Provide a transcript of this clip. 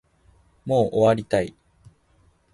もう終わりたい